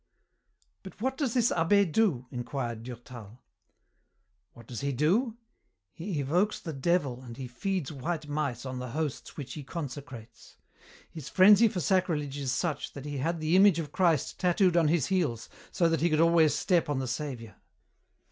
"But what does this abbé do?" inquired Durtal. "What does he do? He evokes the Devil, and he feeds white mice on the hosts which he consecrates. His frenzy for sacrilege is such that he had the image of Christ tattooed on his heels so that he could always step on the Saviour!"